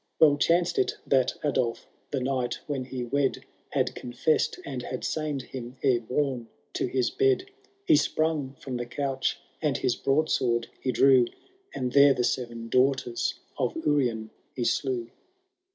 Well chanced it that Adolf the night when he wed Had confessed and had sained him ere boune to his bed ; He sprung from the couch and his broadsword he drew. And there the seven daughters of Urien he slew.